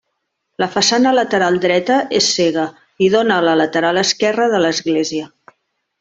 La façana lateral dreta és cega i dóna a la lateral esquerra de l'església.